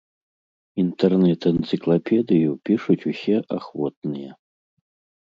Інтэрнэт-энцыклапедыю пішуць усе ахвотныя.